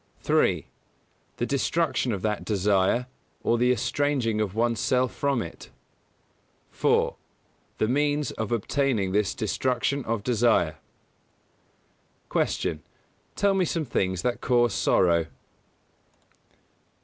3. The destruction of that desire, or the estranging of one's self from it. 4. The means of obtaining this destruction of desire. 122. Q. _Tell me some things that cause sorrow?